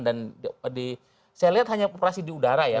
dan saya lihat hanya operasi di udara ya